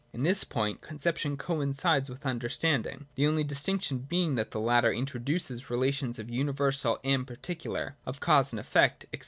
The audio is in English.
In this point Con ception coincides with Understanding: the only distinc tion being that the latter introduces relations of universal and particular, of cause and effect, &c.